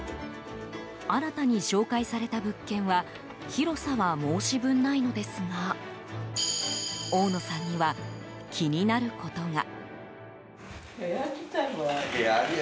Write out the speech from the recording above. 新たに紹介された物件は広さは申し分ないのですが大野さんには気になることが。